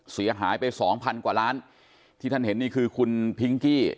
เสียหายไปสองพันกว่าล้านที่ท่านเห็นนี่คือคุณพิงกี้